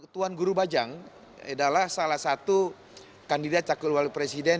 tuan guru bajang adalah salah satu kandidat cakul wali presiden